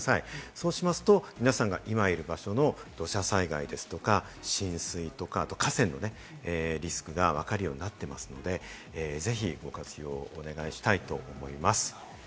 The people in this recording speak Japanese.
そうしますと皆さんが今いる場所の土砂災害ですとか、浸水とか河川のリスクが分かるようになっていますので、ぜひ、ご活用をお願いします。